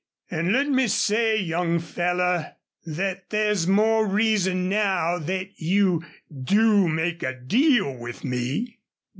An' let me say, young feller, thet there's more reason now thet you DO make a deal with me."